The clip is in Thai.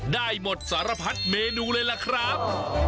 ได้หมดสารพัดเมนูเลยล่ะครับ